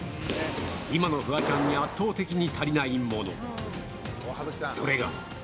今のフワちゃんに圧倒的に足りないもの、それが。